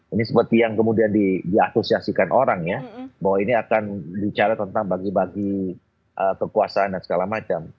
ini seperti yang kemudian diasosiasikan orang ya bahwa ini akan bicara tentang bagi bagi kekuasaan dan segala macam